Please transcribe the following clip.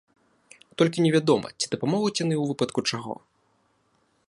Толькі невядома, ці дапамогуць яны ў выпадку чаго.